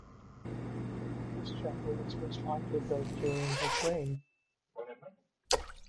This chapel was most likely built during his reign.